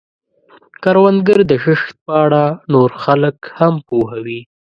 کروندګر د کښت په اړه نور خلک هم پوهوي